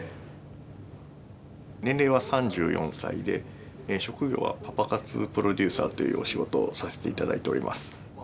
年齢は３４歳で職業はパパ活プロデューサーというお仕事をさせて頂いております。